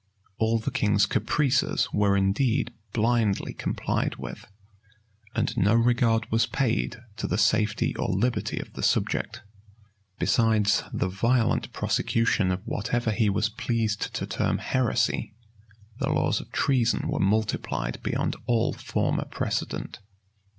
All the king's caprices were indeed blindly complied with, and no regard was paid to the safety or liberty of the subject. Besides the violent prosecution of whatever he was pleased to term heresy, the laws of treason were multiplied beyond all former precedent.